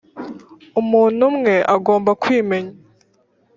umuntu umwe agomba kwimenya.